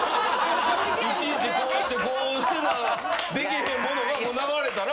いちいちこうしてこうせなできへんものが流れたら。